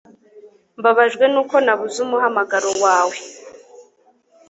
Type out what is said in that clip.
mbabajwe nuko nabuze umuhamagaro wawe